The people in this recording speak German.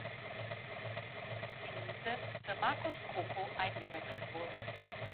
Minute für Marcus Coco eingewechselt wurde.